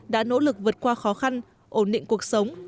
đã nỗ lực vượt qua khó khăn ổn định cuộc sống